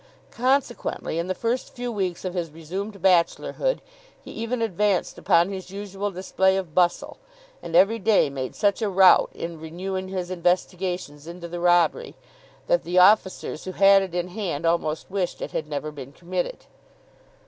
Consequently, in the first few weeks of his resumed bachelorhood, he even advanced upon his usual display of bustle, and every day made such a rout in renewing his investigations into the robbery, that the officers who had it in hand almost wished it had never been committed.